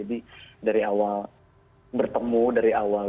jadi dari awal bertemu dari awal gitu